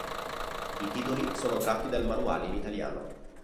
I titoli sono tratti dal manuale in italiano.